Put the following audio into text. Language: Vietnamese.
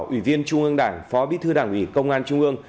ủy viên trung ương đảng phó bí thư đảng ủy công an trung ương